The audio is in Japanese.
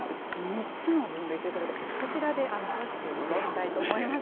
３つの分類ということで、こちらで詳しく見ていきたいと思います。